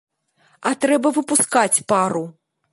А трэба выпускаць пару.